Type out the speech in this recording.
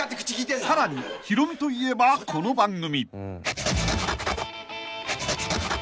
［さらにヒロミといえばこの番組］